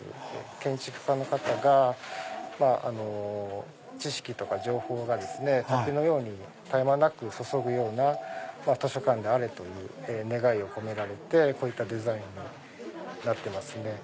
建築家の方が知識とか情報が滝のように絶え間なく注ぐような図書館であれと願いを込められてこういったデザインになってます。